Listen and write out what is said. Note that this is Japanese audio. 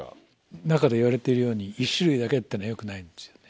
中で言われてるように１種類だけっていうのはよくないんですよね。